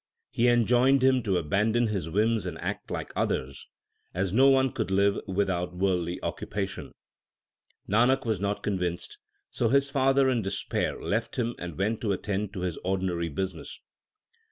He enjoined him to abandon his whims and act like others, as no one could live without worldly occupation. Nanak was not con vinced, so his father in despair left him and went to attend to his ordinary business.